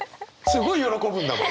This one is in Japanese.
すごい喜ぶんだもん。